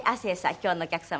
今日のお客様。